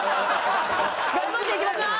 頑張っていきましょう！